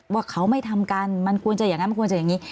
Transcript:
ว่าเขาไม่ทำกันมันควรจะอย่างนั้นมันควรจะอย่างนี้